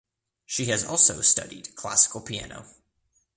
She has also studied classical piano.